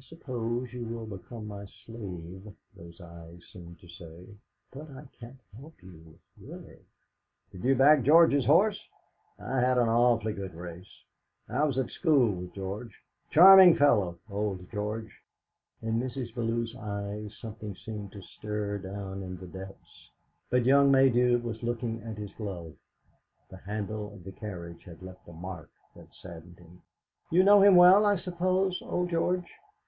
'. suppose you will become my slave,' those eyes seemed to say, 'but I can't help you, really.' "Did you back George's horse? I had an awf'ly good race. I was at school with George. Charmin' fellow, old George." In Mrs. Bellew's eyes something seemed to stir down in the depths, but young Maydew was looking at his glove. The handle of the carriage had left a mark that saddened him. "You know him well, I suppose, old George?"